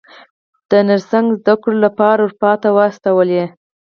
د نرسنګ زده کړو لپاره اروپا ته واستولې.